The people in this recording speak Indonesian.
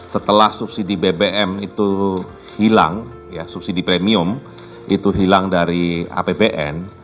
setelah subsidi bbm itu hilang subsidi premium itu hilang dari apbn